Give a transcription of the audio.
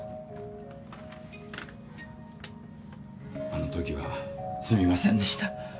あのときはすみませんでした